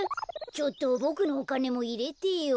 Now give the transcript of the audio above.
ちょっとボクのおかねもいれてよ。